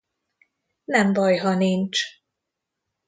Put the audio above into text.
Nem baj ha nincs